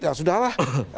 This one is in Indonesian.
ya sudah lah